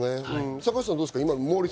坂口さん、どうですか？